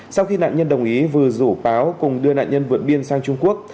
sau khi nạn nhân đồng ý vừa rủ báo cùng đưa nạn nhân vượt biên sang trung quốc